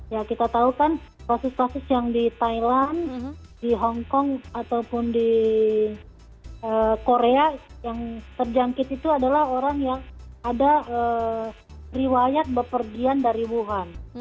ya kita tahu kan kasus kasus yang di thailand di hongkong ataupun di korea yang terjangkit itu adalah orang yang ada riwayat bepergian dari wuhan